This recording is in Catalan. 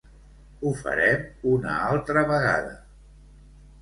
Ho farem una altra vegada!